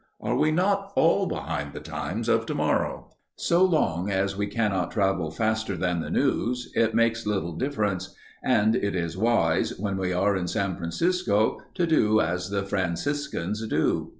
Are we not all behind the times of tomorrow? So long as we cannot travel faster than the news, it makes little difference; and it is wise, when we are in San Francisco, to do as the Franciscans do.